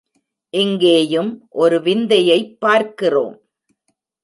இங்கேயும் ஒரு விந்தையைப் பார்க்கிறோம்.